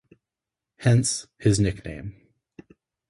Hence, his nickname.